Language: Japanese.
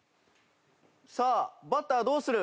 さあバッターどうする？